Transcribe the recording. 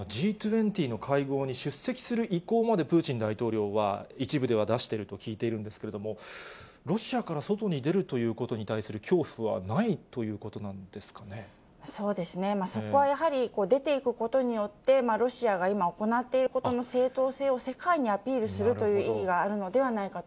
Ｇ２０の会合に出席する意向までプーチン大統領は一部では出していると聞いているんですけれども、ロシアから外に出るということに対する恐怖はないということなんそうですね、そこはやはり、出ていくことによって、ロシアが今行っていることの正当性を世界にアピールするという意